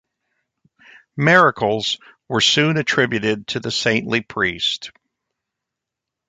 Miracles were soon attributed to the saintly priest.